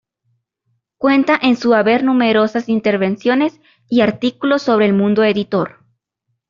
Cuenta en su haber numerosas intervenciones y artículos sobre el mundo editor.